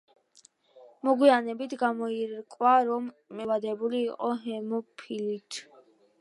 მოგვიანებით გამოირკვა, რომ მემკვიდრე ალექსი დაავადებული იყო ჰემოფილიით.